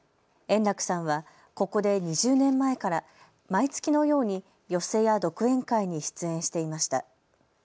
円楽さんはここで２０年前から毎月のように寄席や独演会に出演していました。